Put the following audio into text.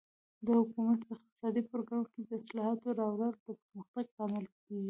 د حکومت په اقتصادي پروګرامونو کې د اصلاحاتو راوړل د پرمختګ لامل کیږي.